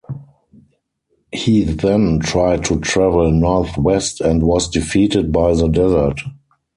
He then tried to travel north west and was defeated by the desert.